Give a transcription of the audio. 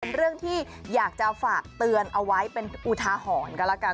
เรื่องที่อยากจะฝากเตือนเอาไว้เป็นอุทาหรณ์กันแล้วกัน